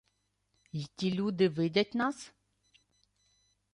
— Й ті люди видять нас?